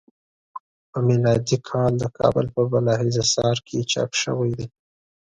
په میلادی کال د کابل په بالا حصار کې چاپ شوی دی.